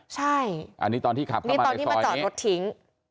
ใช่อันนี้ตอนที่ขับเข้ามาในซอยตอนที่มาจอดรถทิ้ง